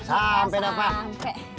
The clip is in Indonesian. sampai dapat pak